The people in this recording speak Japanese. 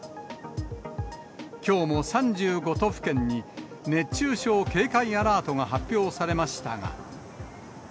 きょうも３５都府県に、熱中症警戒アラートが発表されましたが。